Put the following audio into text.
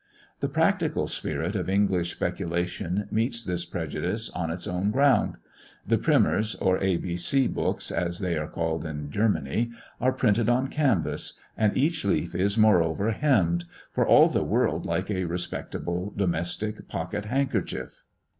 The practical spirit of English speculation meets this prejudice on its own ground. The primers, or A, B, C, books as they are called in Germany, are printed on canvass, and each leaf is moreover hemmed, for all the world like a respectable domestic pocket handkerchief.